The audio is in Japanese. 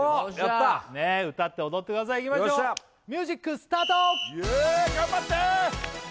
やった歌って踊ってくださいいきましょうミュージックスタート頑張って！